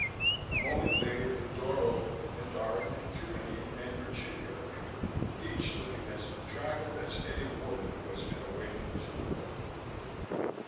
A moment later the door opened and Dorothy, Germaine and Virginia appeared, each looking as bedraggled as any woman who has been awakened too early.